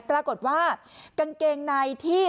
ปรากฏว่ากางเกงในที่